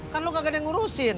kan lo kagak ada yang ngurusin